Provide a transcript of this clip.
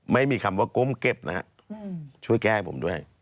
ไม่มีคำว่าก้มเก็บนะฮะช่วยแก้ให้ผมด้วย